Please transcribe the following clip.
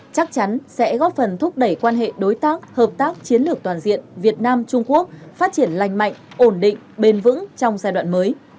chắc chắn sẽ góp phần thúc đẩy quan hệ đối tác hợp tác chiến lược toàn diện việt nam trung quốc phát triển lành mạnh ổn định bền vững trong giai đoạn mới